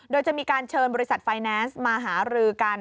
โดยจะมีการเชิญบริษัทไฟแนนซ์มาหารือกัน